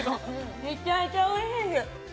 めちゃめちゃおいしい！